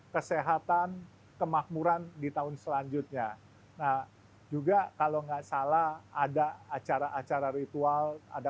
kesehatan kemakmuran di tahun selanjutnya nah juga kalau nggak salah ada acara acara ritual ada